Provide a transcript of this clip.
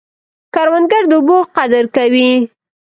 کروندګر د اوبو قدر کوي